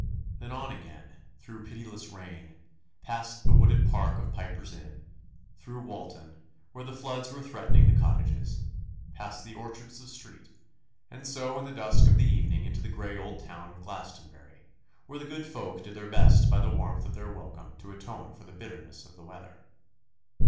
Then on again, through the pitiless rain, past the wooded park of Piper's Inn, through Walton, where the floods were threatening the cottages, past the orchards of Street, and so in the dusk of the evening into the grey old town of Glastonbury, where the good folk did their best by the warmth of their welcome to atone for the bitterness of the weather.